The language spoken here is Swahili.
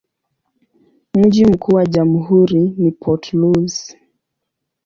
Mji mkuu wa jamhuri ni Port Louis.